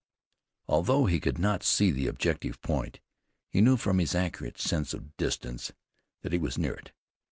Although he could not see the objective point, he knew from his accurate sense of distance that he was near it.